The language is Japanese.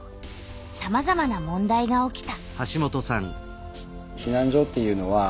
さまざまな問題が起きた。